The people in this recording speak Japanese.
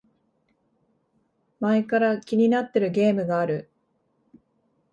前から気になってるゲームがある